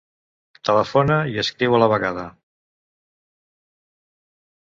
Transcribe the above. Telefona i escriu a la vegada.